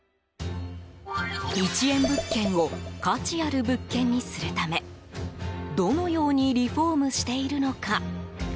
１円物件を価値ある物件にするためどのようにリフォームしているのか？